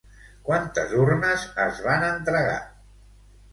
Quantes urnes es van entregar?